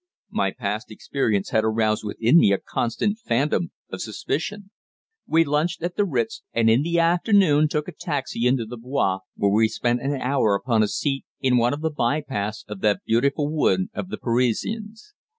My past experience had aroused within me a constant phantom of suspicion. We lunched at the Ritz, and in the afternoon took a taxi into the Bois, where we spent an hour upon a seat in one of the by paths of that beautiful wood of the Parisians.